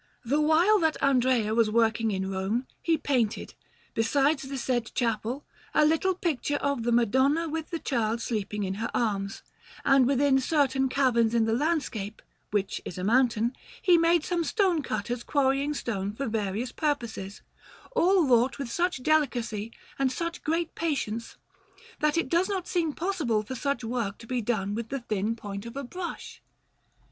The while that Andrea was working in Rome, he painted, besides the said chapel, a little picture of the Madonna with the Child sleeping in her arms; and within certain caverns in the landscape, which is a mountain, he made some stone cutters quarrying stone for various purposes, all wrought with such delicacy and such great patience, that it does not seem possible for such good work to be done with the thin point of a brush.